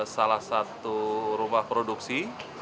salah satu rumah produksi